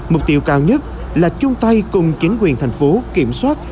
mục tiêu cao nhất là chung tay cùng chính quyền thành phố kiểm soát